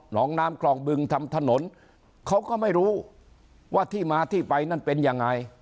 น้องน้ำคลองบึงทำถนนเขาก็ไม่รู้ว่าที่มาที่ไปนั่นเป็นยังไง